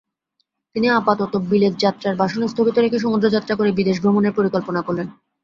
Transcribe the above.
তিনি আপাততঃ বিলেতযাত্রার বাসনা স্থগিত রেখে সমুদ্রযাত্রা করে বিদেশভ্রমণের পরিকল্পনা করলেন।